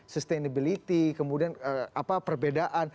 sustainability kemudian perbedaan